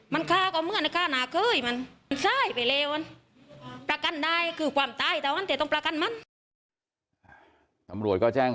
มันฆ่าก็เหมือนฆ่าหน้าเค้ยมันมันทรายไปเร็ว